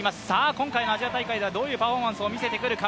今回のアジア大会ではどういうパフォーマンスを見せてくるか。